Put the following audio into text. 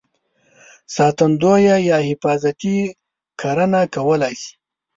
ساتندویه یا حفاظتي کرنه کولای شي.